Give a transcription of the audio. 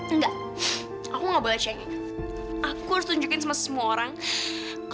enggak aku gak boleh cek